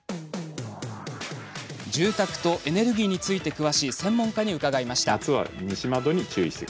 住宅とエネルギーについて詳しい専門家に伺いました。